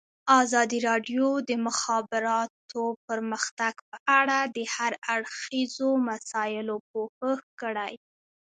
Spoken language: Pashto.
ازادي راډیو د د مخابراتو پرمختګ په اړه د هر اړخیزو مسایلو پوښښ کړی.